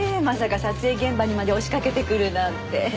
まさか撮影現場にまで押し掛けてくるなんて。